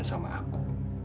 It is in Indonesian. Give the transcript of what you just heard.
ada sama aku